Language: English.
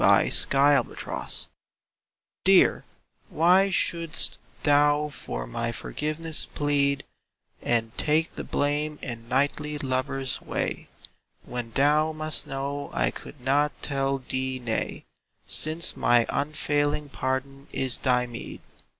jforGiveness EAR, why shouldst thou for my forgiveness plead And take the blame in knightly lover's way, When thou must know I could not tell thee nay, Since my unfailing pardon is thy meed?